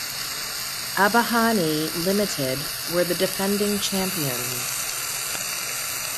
Abahani Limited were the defending champions.